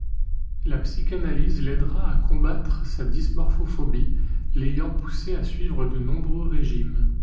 La psychanalyse l'aidera à combattre sa dysmorphophobie l'ayant poussée à suivre de nombreux régimes.